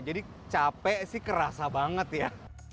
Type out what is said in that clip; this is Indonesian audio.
jadi capek sih kerasa banget ya